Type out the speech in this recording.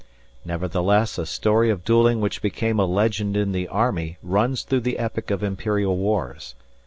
Nevertheless, a story of duelling which became a legend in the army runs through the epic of imperial wars.